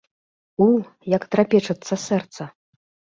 У, як трапечацца сэрца.